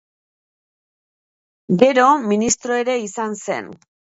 Gero, ministro ere izan zen.